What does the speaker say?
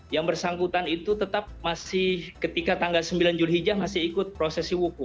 yang bersangkutan itu tetap masih ketika tanggal sembilan julhijjah masih ikut prosesi wuku